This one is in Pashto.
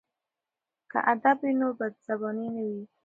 که ادب وي نو بدزباني نه وي.